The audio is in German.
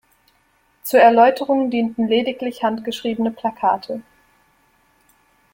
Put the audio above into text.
Zur Erläuterung dienten lediglich handgeschriebene Plakate.